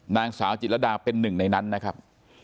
นางสาวจิตรดาเป็นหนึ่งในนั้นนะครับ